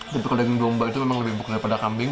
tapi kalau daging domba itu memang lebih empuk daripada kambing